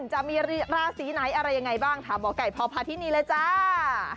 จะมีราศีไหนอะไรยังไงบ้างถามหมอไก่พอพาที่นี่เลยจ้า